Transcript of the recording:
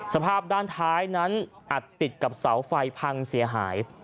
สภาพด้านท้ายนั้นอัดติดกับเสาไฟพังเสียหาย